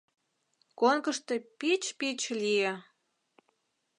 Конкышто пич-пич лие.